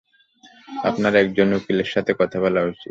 আপনার একজন উকিলের সাথে কথা বলা উচিত।